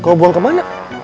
kau buang ke mana